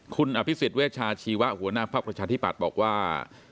คุณอภิษฎเวชาชีวะหัวหน้าภักดิ์ประชาธิปัตย์บอกว่า